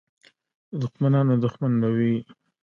د دښمنانو دښمن به وي.